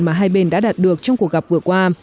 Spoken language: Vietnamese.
mà hai bên đã đạt được trong cuộc gặp vừa qua